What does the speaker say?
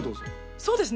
そうですね！